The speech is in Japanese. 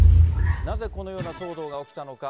なぜこのような騒動が起きたのか。